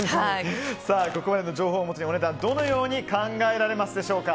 ここまでの情報をもとにお値段はどのように考えられますでしょうか。